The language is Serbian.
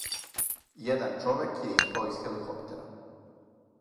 Један човек је испао из хеликоптера.